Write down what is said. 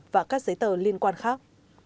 và các giấy tờ liên quan khác